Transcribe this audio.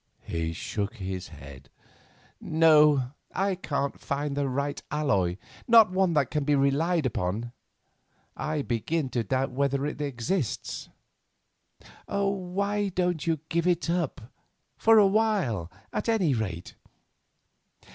He shook his head. "No, I can't find the right alloy—not one that can be relied upon. I begin to doubt whether it exists." "Why don't you give it up—for a while at any rate?"